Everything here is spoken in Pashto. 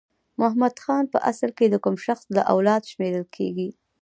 محمد خان په اصل کې د کوم شخص له اولاده شمیرل کیږي؟